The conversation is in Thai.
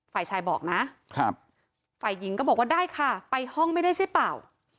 ฝ่ายชายบอกนะฝ่ายหญิงก็บอกว่าได้ค่ะไปห้องไม่ได้ใช่เปล่า